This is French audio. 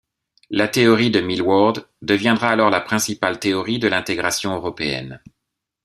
La théorie de Milward deviendra alors la principale théorie de l'intégration européenne.